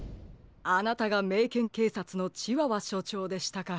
あなたがメイケンけいさつのチワワしょちょうでしたか。